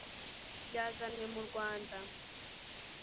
byazanywe mu Rwanda